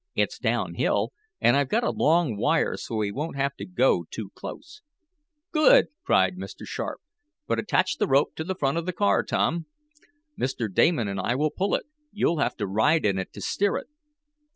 It's down hill, and I've got a long wire so we won't have to go too close." "Good!" cried Mr. Sharp. "But attach the rope to the front of the car, Tom. Mr. Damon and I will pull it. You'll have to ride in it to steer it."